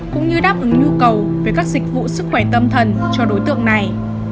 cũng như đáp ứng nhu cầu về các dịch vụ sức khỏe tâm thần cho đối tượng này